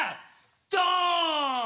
ドーン！